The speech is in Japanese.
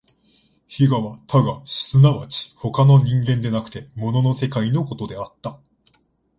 非我は他我即ち他の人間でなくて物の世界のことであった。